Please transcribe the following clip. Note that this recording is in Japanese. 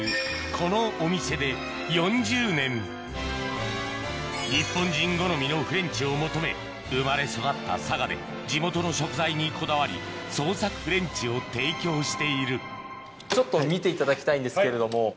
このお店で４０年日本人好みのフレンチを求め生まれ育った佐賀で地元の食材にこだわり創作フレンチを提供しているちょっと見ていただきたいんですけれども。